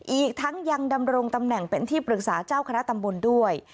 อีกทั้งยังดำรงตำแหน่งเป็นที่ปรึกษาเจ้าคณะตำบลด้วย